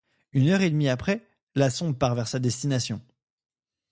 Une heure et demie après, la sonde part vers sa destination.